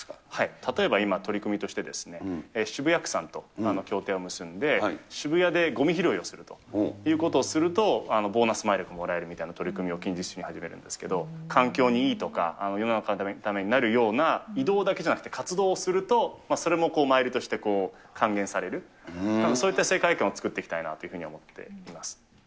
例えば今、取り組みとして、渋谷区さんと協定を結んで、渋谷でごみ拾いをするということをすると、ボーナスマイルがもらえるみたいな取り組みを近日中に始めるんですけれども、環境にいいとか、世の中のためになるような、移動だけじゃなくて活動をすると、それもマイルとして還元される、そういった世界観を作っていきたいなというふうに思っています。